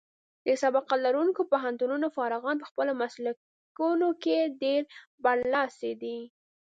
د سابقه لرونکو پوهنتونونو فارغان په خپلو مسلکونو کې ډېر برلاسي دي.